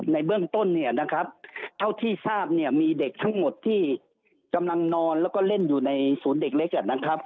ในเบื้องต้นเท่าที่ทราบมีเด็กทั้งหมดที่กำลังนอนแล้วก็เล่นอยู่ในศูนย์เด็กเล็ก